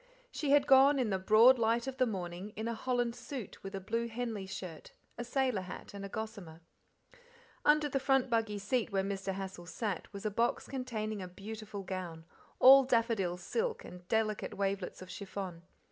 She had gone, in the broad light of the morning, in a holland suit with a blue Henley shirt, a sailor hat, and a gossamer. Under the front buggy seat where Mr. Hassal sat was a box containing a beautiful gown, all daffodil silk and delicate wavelets of chiffon.